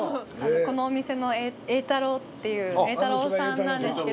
このお店の「英多朗」っていう英多朗さんなんですけど。